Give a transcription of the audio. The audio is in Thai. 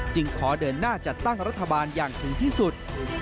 ขอเดินหน้าจัดตั้งรัฐบาลอย่างถึงที่สุด